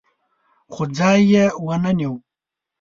خو ځای یې ونه نیو.